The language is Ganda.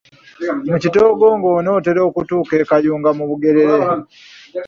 Mu kitoogo ng’onootera okutuuka e Kayunga mu Bugerere.